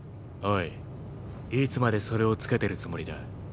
オイいつまでそれをつけてるつもりだ。